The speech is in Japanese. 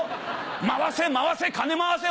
回せ回せ金回せ！